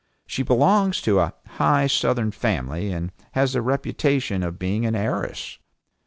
She belongs to a high Southern family, and has the reputation of being an heiress.